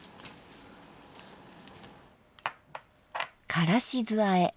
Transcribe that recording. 「からし酢あえ」。